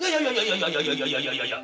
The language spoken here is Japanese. いやいやいやいやいやいや。